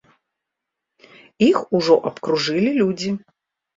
Іх ужо абкружылі людзі.